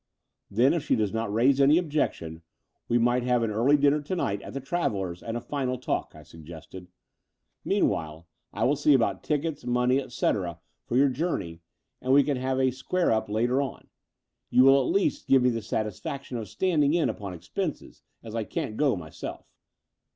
"Then, if she does not raise any objection, we might have an early dinner together at the Travellers* and a final talk, '' I suggested. Mean while, I will see about tickets, money, etc., tor your ii6 The Door of the Vnieal journey, and we can have a square up later on. You will at least give me the satisfaction of stand ing in upon expenses, as I can't go myself?"